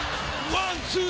ワンツー。